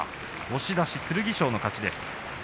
押し出し、剣翔の勝ちです。